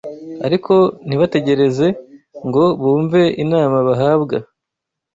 ariko ntibategereze ngo bumve inama bahabwa